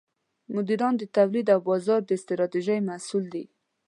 مدیران د تولید او بازار د ستراتیژۍ مسوول دي.